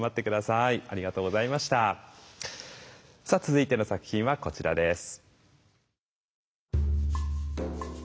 さあ続いての作品はこちらです。